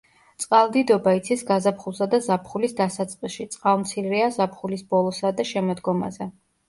წყალდიდობა იცის გაზაფხულსა და ზაფხულის დასაწყისში, წყალმცირეა ზაფხულის ბოლოსა და შემოდგომაზე.